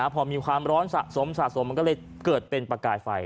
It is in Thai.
พอมีความร้อนสะสมสะสมมันก็เลยเกิดเป็นประกายไฟ